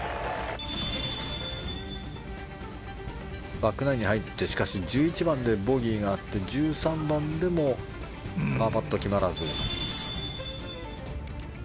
バックナインに入って１１番でボギーがあって１３番でもパーパット決まらず。